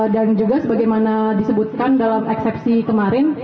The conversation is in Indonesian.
dan juga sebagaimana disebutkan dalam eksepsi kemarin